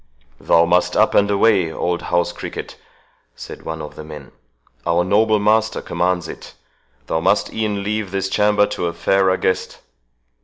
"Thou must up and away, old house cricket," said one of the men; "our noble master commands it—Thou must e'en leave this chamber to a fairer guest."